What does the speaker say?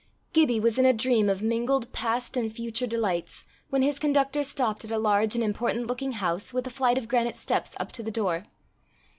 Gibbie was in a dream of mingled past and future delights, when his conductor stopped at a large and important looking house, with a flight of granite steps up to the door.